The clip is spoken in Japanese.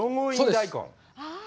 大根？